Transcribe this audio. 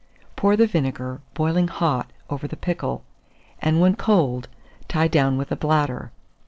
Pour the vinegar, boiling hot, over the pickle, and when cold, tie down with a bladder.